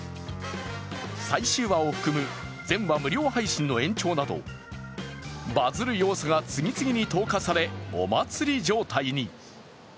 最終話を含む全話無料配信の延長など、バズる要素が次々に投下され、お祭り状態に。